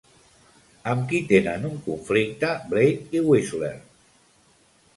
Amb qui tenen un conflicte Blade i Whistler?